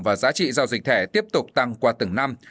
và giá trị giao dịch thẻ tiếp tục tăng qua từng năm